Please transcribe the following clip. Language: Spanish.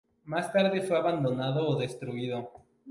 Más tarde fue abandonado o destruido.